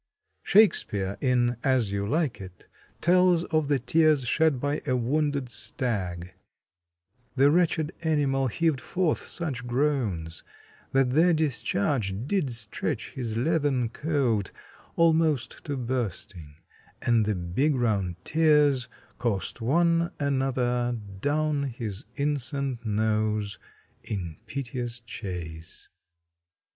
Shakespeare, in "As You Like It," tells of the tears shed by a wounded stag: The wretched animal heav'd forth such groans, That their discharge did stretch his leathern coat Almost to bursting; and the big round tears Cours'd one another down his innocent nose In piteous chase.